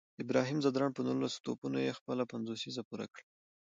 ابراهیم ځدراڼ په نولس توپونو یې خپله پنځوسیزه پوره کړه